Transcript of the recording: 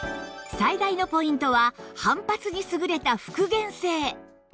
最大のポイントは反発に優れた復元性